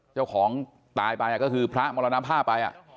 เจ้าของตายไปก็คือพระมรณภาไปอ่ะ